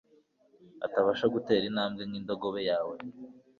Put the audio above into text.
atabasha gutera intambwe nk'indogobe yawe